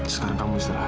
sekarang kamu istirahat